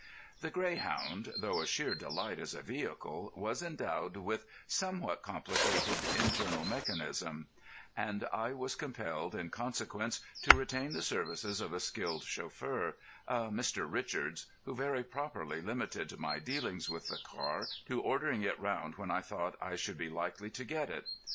The Greyhound, though a sheer delight as a vehicle, was endowed with somewhat complicated internal mechanism, and I was compelled in consequence to retain the services of a skilled chauffeur, a Mr. Richards, who very properly limited my dealings with the car to ordering it round when I thought I should be likely to get it.